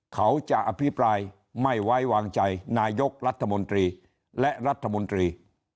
เขาจะอภิปรายไม่ไว้วางใจนายกรัฐมนตรีและรัฐมนตรี